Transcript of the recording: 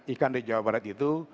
ikan di jawa barat itu